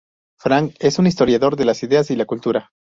Frank es un historiador de las ideas y la cultura.